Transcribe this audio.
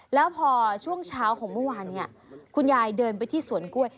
แล้วพอช่วงเช้าของเมื่อวานเนี่ยคุณยายเดินไปที่สวนกล้วย